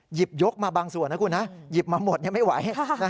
หยิบยกมาบางส่วนนะคุณนะหยิบมาหมดไม่ไหว